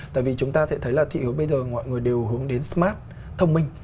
tại vì chúng ta sẽ thấy là thị hiếu bây giờ mọi người đều hướng đến smart thông minh